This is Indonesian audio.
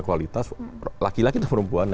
kualitas laki laki dan perempuan